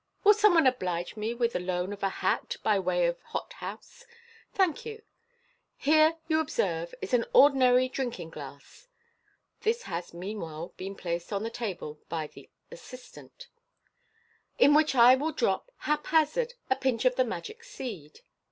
Will some one oblige me with the loan of a hat by way of hothouse? Thank you. Here, you observe, is an ordinary drink ing glass " (this has, meanwhile, been placed on ihe table by the assistant), " in which I will drop, haphazard, a pinch of the magic seed."